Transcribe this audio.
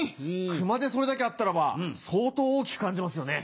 熊でそれだけあったらば相当大きく感じますよね。